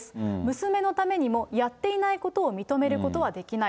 娘のためにもやっていないことを認めることはできない。